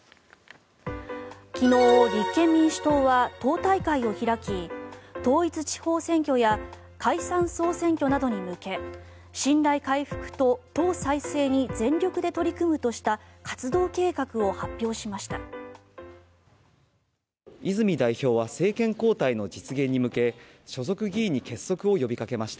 昨日、立憲民主党は党大会を開き統一地方選挙や解散・総選挙などに向け信頼回復と党再生に全力で取り組むとした活動計画を発表しました。